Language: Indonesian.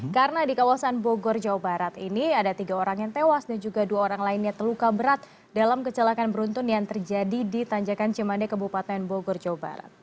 karena di kawasan bogor jawa barat ini ada tiga orang yang tewas dan juga dua orang lainnya terluka berat dalam kecelakaan beruntun yang terjadi di tanjakan cimandek kebupatan bogor jawa barat